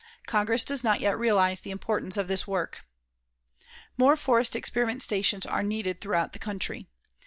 Congress does not yet realize the importance of this work. More forest experiment stations are needed throughout the country.